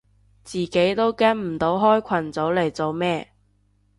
自己都跟唔到開群組嚟做咩